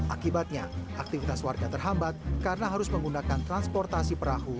akibatnya aktivitas warga terhambat karena harus menggunakan transportasi perahu